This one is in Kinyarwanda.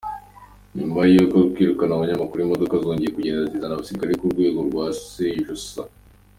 Nyuma yo kwirukana abanyamakuru, imodoka zongeye kugenda zizana abasirikari ku rugo rwa Sejusa.